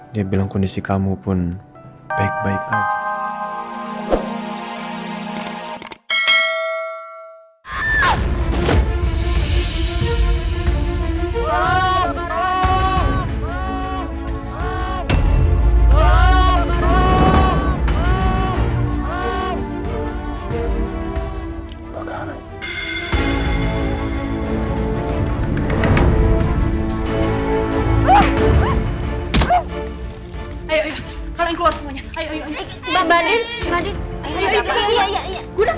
dia bilang kondisi kamu pun baik baik aja